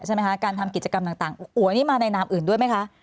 ใช่ไหมคะการทำกิจกรรมต่างอัวนี่มาในนามอื่นด้วยไหมคะ